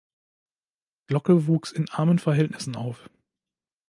Glocke wuchs in armen Verhältnissen auf.